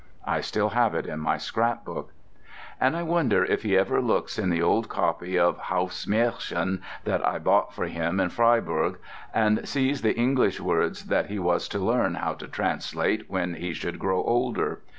I still have it in my scrapbook. And I wonder if he ever looks in the old copy of "Hauff's Märchen" that I bought for him in Freiburg, and sees the English words that he was to learn how to translate when he should grow older!